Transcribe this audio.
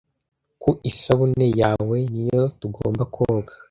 ku isabune yawe niyo tugomba koga